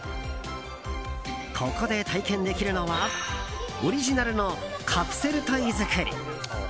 ここで体験できるのはオリジナルのカプセルトイ作り。